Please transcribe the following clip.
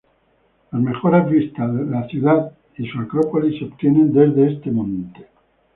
Las mejores vistas de la ciudad y su Acrópolis se obtienen desde este monte.